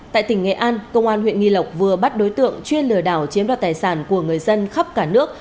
tại tỉnh nghệ an công an huyện nghi lộc vừa bắt đối tượng chuyên lừa đảo chiếm đoạt tài sản của người dân khắp cả nước